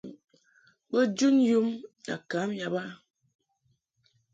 Bo jun yum a kam yab a.